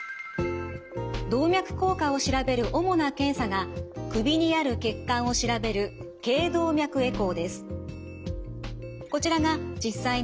動脈硬化を調べる主な検査が首にある血管を調べるこちらが実際の頚動脈エコーの画像です。